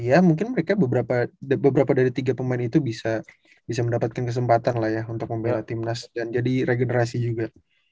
ya mungkin mereka beberapa dari tiga pemain itu bisa mendapatkan kesempatan lah ya untuk membela timnas dan jadi regenerasi juga